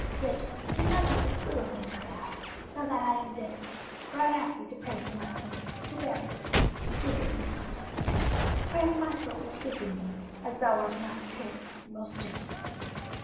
Yet do thou do this little thing I ask, now that I am dead, for I ask thee to pray for my soul and to bury me, and think of me sometimes. Pray for my soul and think of me, as thou art a knight peerless and most gentle.'